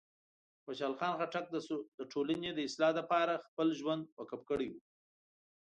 خوشحال خان خټک د ټولنې د اصلاح لپاره خپل ژوند وقف کړی و.